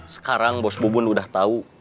sekarang bos bubun udah tahu